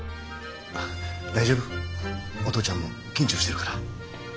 大丈夫お父ちゃんも緊張してるから。